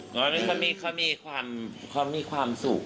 เธอก็ต้องให้แห่งโบว์แต่จะคงให้มีชีวิตแต้ว